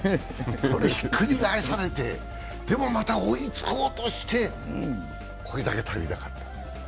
それひっくり返されて、でもまた追いつこうとして、これだけ足りなかった。